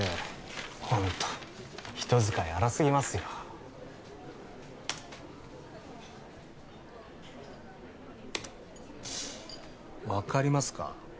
ホント人使い荒すぎますよ分かりますか？